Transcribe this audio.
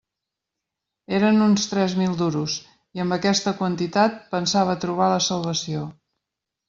Eren uns tres mil duros, i amb aquesta quantitat pensava trobar la salvació.